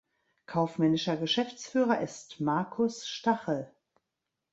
Kaufmännischer Geschäftsführer ist Markus Stache.